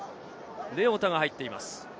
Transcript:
レオタが入っています。